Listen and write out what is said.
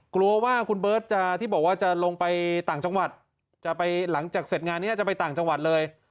กลัวว่าคุณเบิร์ตจะที่บอกว่าจะลงไปต่างจังหวัดจะไปหลังจากเสร็จงานนี้จะไปต่างจังหวัดเลย